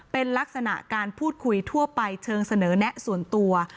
เป็นลักษณะการพูดคุยทั่วไปเชิงเสนอแนะส่วนตัว